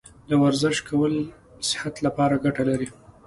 د ورزش کول صحت لپاره ګټه لري.